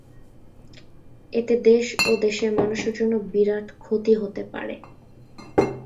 এতে দেশ ও দেশের মানুষের জন্য বিরাট ক্ষতি হতে পারে।